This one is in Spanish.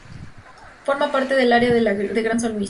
Forma parte del área de Gran San Luis.